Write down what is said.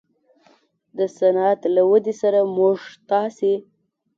د صنعت له ودې سره موږ تاسې